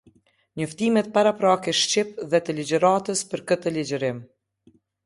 Njoftime paraprake shqip dhe të ligjëratës për këtë ligjërim.